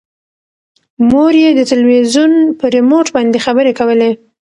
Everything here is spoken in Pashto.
مور یې د تلویزون په ریموټ باندې خبرې کولې.